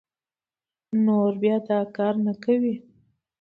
نور بيا دا کار نه کوي